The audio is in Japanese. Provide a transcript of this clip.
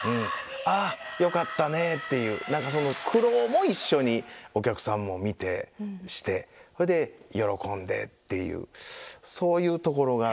「ああよかったね」っていう何かその苦労も一緒にお客さんも見てしてそれで喜んでっていうそういうところが。